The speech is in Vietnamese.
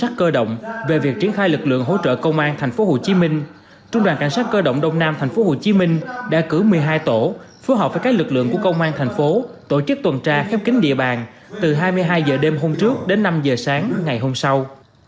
trong việc triển khai lực lượng hỗ trợ công an thành phố hồ chí minh trung đoàn cảnh sát cơ động đông nam thành phố hồ chí minh đã cử một mươi hai tổ phù hợp với các lực lượng của công an thành phố tổ chức tuần tra khép kính địa bàn từ hai mươi hai h đêm hôm trước đến năm h sáng ngày hôm sau